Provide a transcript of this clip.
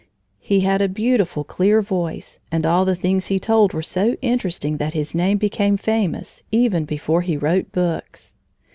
He had a beautiful, clear voice, and all the things he told were so interesting that his name became famous, even before he wrote books.